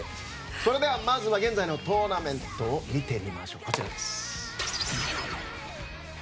それではまずは現在のトーナメントを見てみましょう。